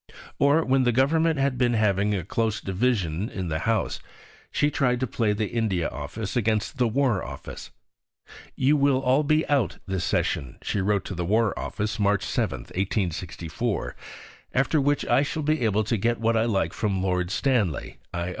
Or, when the Government had been having a close division in the House, she tried to play the India Office against the War Office. "You will all be 'out' this session," she wrote to the War Office (March 7, 1864); "after which I shall be able to get what I like from Lord Stanley [I.